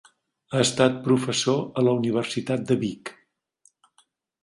Ha estat professor a la Universitat de Vic.